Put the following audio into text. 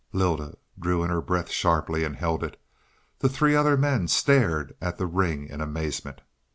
Lylda drew in her breath sharply and held it; the three other men stared at the ring in amazement.